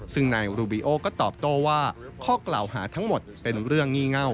ซึ่งนายโดนัลด์ทรัมป์ก็ตอบโตว่าข้อกล่าวหาทั้งหมดเป็นเรื่องงี่เง่า